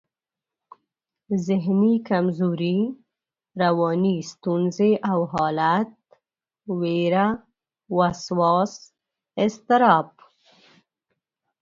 ذهني کمزوري، رواني ستونزې او حالت، وېره، وسواس، اضطراب